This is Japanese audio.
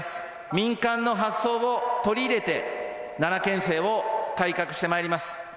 民間の発想を取り入れて、奈良県政を改革してまいります。